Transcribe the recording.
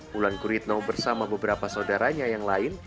wulan guritno bersama beberapa saudaranya yang lain